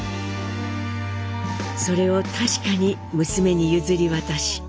それを確かに娘に譲り渡し